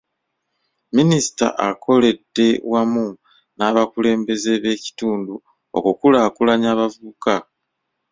Minisita akoledde wamu n'abakulembeze b'ekitundu okukulaakulanya abavubuka.